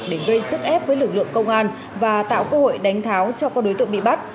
để gây sức ép với lực lượng công an và tạo cơ hội đánh tháo cho các đối tượng bị bắt